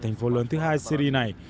thành phố lớn thứ hai syri này